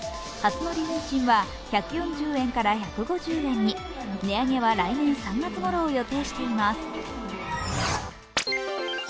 初乗り運賃は１４０円から１５０円に値上げは来年３月ごろを予定しています。